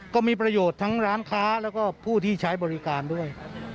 ก็มีประโยชน์ทั้งร้านค้าแล้วก็ผู้ที่ใช้บริการด้วย